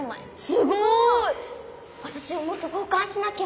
すごい！わたしももっと交かんしなきゃ。